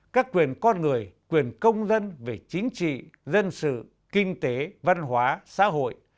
các quyền con người quyền công dân về chính trị dân sự kinh tế văn hóa xã hội